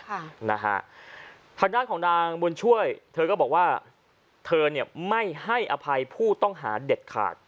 ทางด้านของนางบุญช่วยเธอก็บอกว่าเธอเนี่ยไม่ให้อภัยผู้ต้องหาเด็ดขาด